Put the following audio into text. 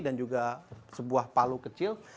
juga sebuah palu kecil